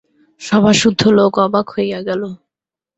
সভাসুদ্ধ লোক অবাক হইয়া গেল।